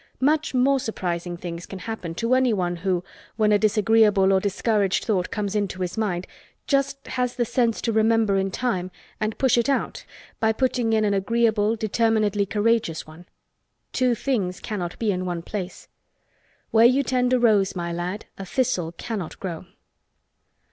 Much more surprising things can happen to anyone who, when a disagreeable or discouraged thought comes into his mind, just has the sense to remember in time and push it out by putting in an agreeable determinedly courageous one. Two things cannot be in one place. "Where you tend a rose, my lad, A thistle cannot grow."